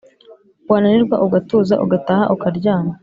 Wananirwa ugatuza ugataha ukaryama